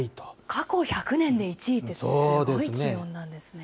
過去１００年で１位ですか、すごい気温なんですね。